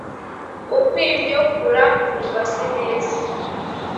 ukw’indyo kurampfumbase neza